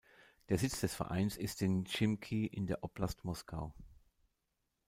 Der Sitz des Vereines ist in Chimki in der Oblast Moskau.